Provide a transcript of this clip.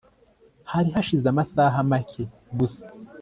Hari hashize amasaha make gusa